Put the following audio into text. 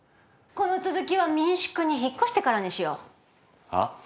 この続きは民宿に引っ越してからにしようあ？